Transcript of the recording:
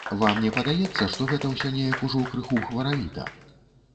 Вам не падаецца, што гэта ўсё неяк ужо крыху хваравіта?